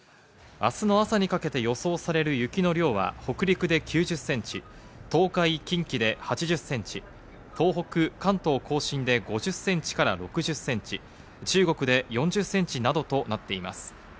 明日の朝にかけて予想される雪の量は北陸で９０センチ、東海、近畿で８０センチ、東北、関東甲信で５０センチから６０センチ、中国で４０センチなどとなっています。